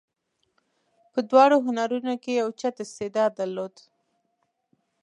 په دواړو هنرونو کې یې اوچت استعداد درلود.